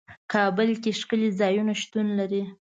کابل کې ښکلي ځايونه شتون لري.